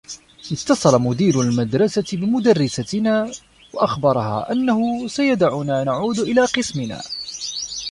اتّصل مدير المدرسة بمدرّستنا و أخبرها أنّه سيدعنا نعود إلى قسمنا.